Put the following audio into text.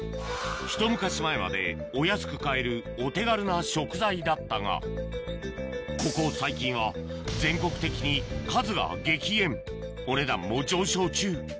ひと昔前までお安く買えるお手軽な食材だったがここ最近は全国的に数が激減お値段も上昇中